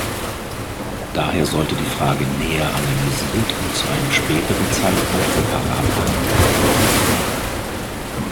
Daher sollte die Frage näher analysiert und zu einem späteren Zeitpunkt separat behandelt werden.